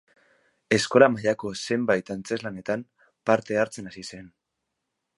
Eskola mailako zenbait antzezlanetan parte hartzen hasi zen.